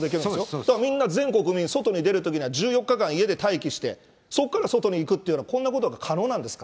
だから日本で全国民、外に出るときには１４日間家で待機して、そこから外に行くなんて、こんなことが可能なんですか。